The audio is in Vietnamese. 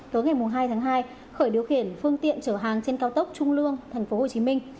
tối ngày hai tháng hai khởi điều khiển phương tiện chở hàng trên cao tốc trung lương tp hcm